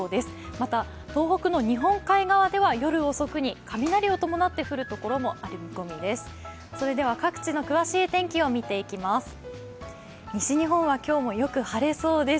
また、東北の日本海側では夜遅くに雷を伴って降る所もありそうです。